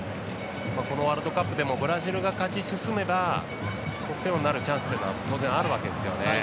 このワールドカップでもブラジルが勝ち進めば得点王になるチャンスも当然あるわけですよね。